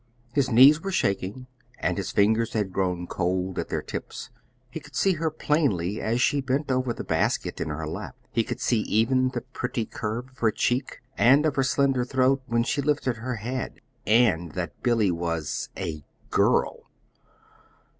His knees were shaking, and his fingers had grown cold at their tips. He could see her plainly, as she bent over the basket in her lap. He could see even the pretty curve of her cheek, and of her slender throat when she lifted her head. And that was Billy a GIRL!